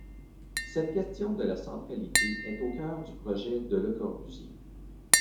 Cette question de la centralité est au cœur du projet de Le Corbusier.